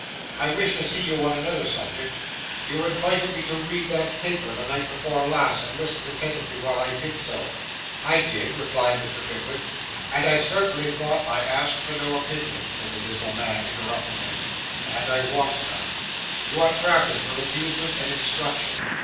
I wish to see you on another subject. You invited me to read that paper, the night before last, and listened attentively while I did so.' 'I did,' replied Mr. Pickwick; 'and I certainly thought ' 'I asked for no opinion,' said the dismal man, interrupting him, 'and I want none. You are travelling for amusement and instruction.